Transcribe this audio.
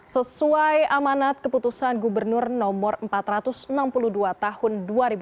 sesuai amanat keputusan gubernur no empat ratus enam puluh dua tahun dua ribu dua puluh